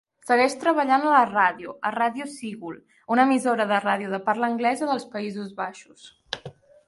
Segueix treballant a la ràdio, a Radio Seagull, una emissora de ràdio de parla anglesa dels Països Baixos.